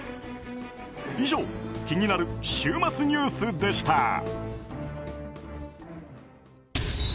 以上気になる週末ニュースでした。